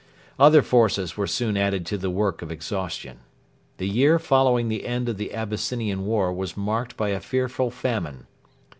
Other forces were soon added to the work of exhaustion. The year following the end of the Abyssinian war was marked by a fearful famine.